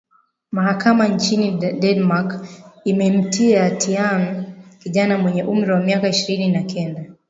mahakama nchini denmark imemtia tian kijana mwenye umri wa miaka ishirini na kenda